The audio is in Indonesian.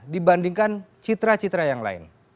dibandingkan citra citra yang lain